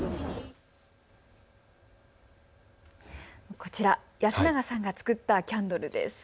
こちら、安永さんが作ったキャンドルです。